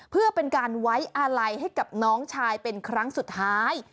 เพื่อเป็นการไว้อาลัยให้กับน้องชายเป็นครั้งสุดท้าย